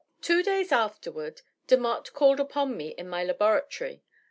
Two days afterward Demotte called upon me in my laboratory.